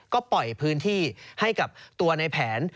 ก็ปล่อยพื้นที่ให้กับตัวในแผน